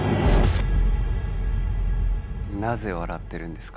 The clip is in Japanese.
なぜ笑ってるんですか？